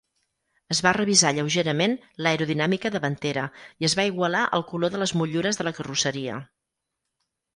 Es va revisar lleugerament l'aerodinàmica davantera i es va igualar el color de les motllures de la carrosseria.